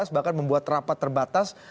bahkan membuat rapat terbatas